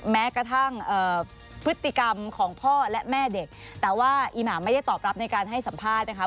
แม้กระทั่งพฤติกรรมของพ่อและแม่เด็กแต่ว่าอีหมาไม่ได้ตอบรับในการให้สัมภาษณ์นะคะ